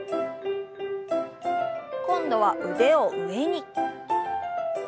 今度は腕を上に。